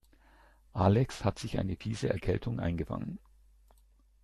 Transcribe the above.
Alex hat sich eine fiese Erkältung eingefangen.